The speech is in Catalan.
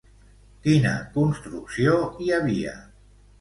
Quina construcció hi havia?